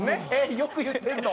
よく言ってんの？